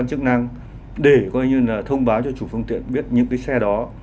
các cơ quan chức năng để coi như là thông báo cho chủ phương tiện biết những cái xe đó